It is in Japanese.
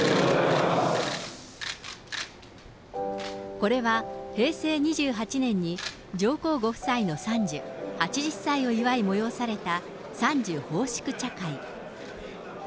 これは平成２８年に上皇ご夫妻の傘寿、８０歳を祝い催された傘寿奉祝茶会。